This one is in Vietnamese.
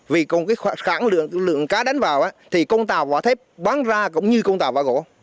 vì còn cái lượng cá đánh vào thì con tàu vỏ thép bán ra cũng như con tàu vỏ gỗ